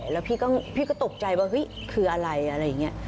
แล้วพี่ก็ตกใจว่าเฮ้ยคืออะไรอะไรอย่างนี้